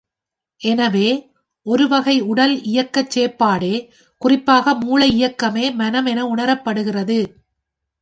எனவே, ஒரு வகை உடல் இயக்கச் செயல்பாடே குறிப்பாக மூளை இயக்கமே மனம் என உணரப்படுகிறது.